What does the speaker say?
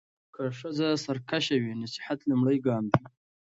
که ښځه سرکشه وي، نصيحت لومړی ګام دی.